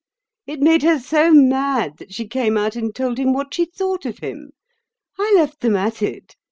It made her so mad that she came out and told him what she thought of him. I left them at it.